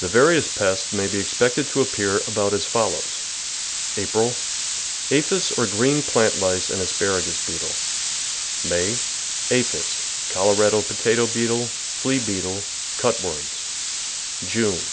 The various pests may be expected to appear about as follows: April. — Aphis or green plant lice and aspara gus beetle. May. — Aphis, Colorado potato beetle, flea beetle, cut worms. June.